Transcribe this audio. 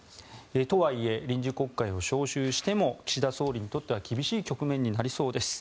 とはいえ、臨時国会を召集しても岸田総理にとっては厳しい局面になりそうです。